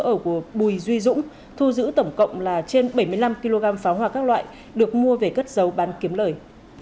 từ lời khai của bùi duy dũng thu giữ tổng cộng là trên bảy mươi năm kg pháo hoa các loại được mua về cất dầu bán kiếm lời